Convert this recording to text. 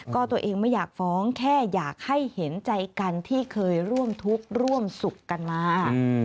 ก็ตัวเองไม่อยากฟ้องแค่อยากให้เห็นใจกันที่เคยร่วมทุกข์ร่วมสุขกันมา